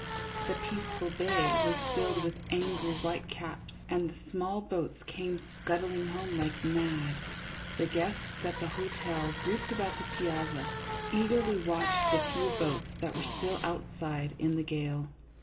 The peaceful bay was filled with angry whitecaps, and the small boats came scudding home like mad. The guests at the hotel, grouped about the piazza, eagerly watched the few boats that were still outside in the gale.